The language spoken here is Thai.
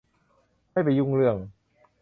ไม่ไปยุ่งเรื่อง